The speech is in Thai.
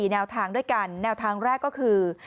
แนวทางด้วยกันแนวทางแรกก็คือ